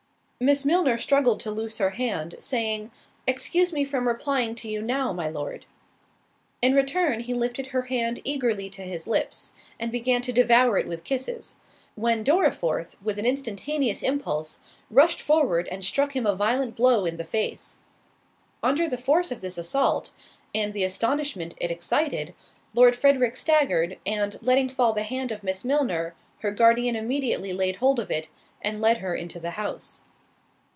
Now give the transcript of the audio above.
Miss Milner struggled to loose her hand, saying, "Excuse me from replying to you now, my Lord." In return, he lifted her hand eagerly to his lips, and began to devour it with kisses; when Dorriforth, with an instantaneous impulse, rushed forward, and struck him a violent blow in the face. Under the force of this assault, and the astonishment it excited, Lord Frederick staggered, and letting fall the hand of Miss Milner, her guardian immediately laid hold of it, and led her into the house.